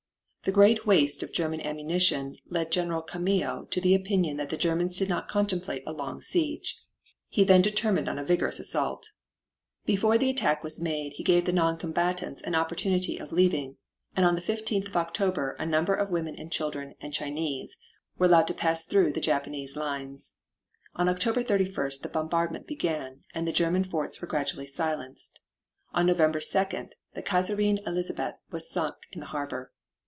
The great waste of German ammunition led General Kamio to the opinion that the Germans did not contemplate a long siege. He then determined on a vigorous assault. Before the attack was made he gave the non combatants an opportunity of leaving, and on the 15th of October a number of women and children and Chinese were allowed to pass through the Japanese lines. On October 31st the bombardment began, and the German forts were gradually silenced. On November 2d the Kaiserin Elizabeth was sunk in the harbor.